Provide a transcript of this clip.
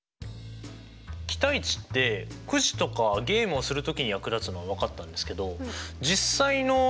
期待値ってくじとかゲームをする時に役立つのは分かったんですけどそれ気になりますよね。